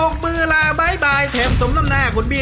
ขอให้โชคดี